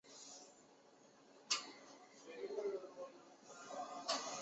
嘉靖五年担任广东惠州府知府。